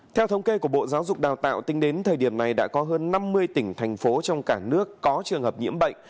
theo thống kê của bộ giáo dục đào tạo tính đến thời điểm này đã có hơn năm mươi tỉnh thành phố trong cả nước có trường hợp nhiễm bệnh